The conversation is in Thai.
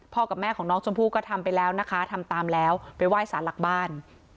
กับแม่ของน้องชมพู่ก็ทำไปแล้วนะคะทำตามแล้วไปไหว้สารหลักบ้าน